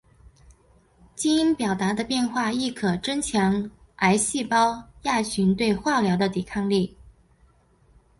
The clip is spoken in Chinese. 基因表达的变化亦可增强癌细胞亚群对化疗的抵抗力。